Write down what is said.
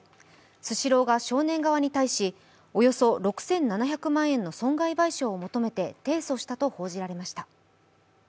スシローが少年側に対しおよそ６７００万円の損害賠償を求めて、提訴したと報じられました。